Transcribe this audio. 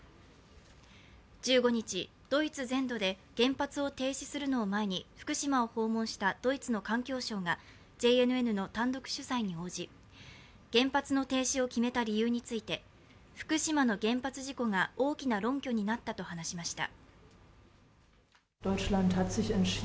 １５日、ドイツ全土で原発を停止するのを前に、福島を訪問したドイツの環境相がＪＮＮの単独取材に応じ、原発の停止を決めた理由について福島の原発事故が大きな論拠になったと話しました。